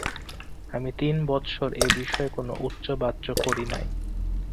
আমি তিন বৎসর এ বিষয়ে কোন উচ্চবাচ্য করি নাই।